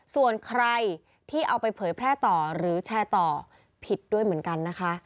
ส่วนใครที่เอาไปเผยแพร่ต่อหรือแชร์ต่อผิดด้วยเหมือนกันนะคะ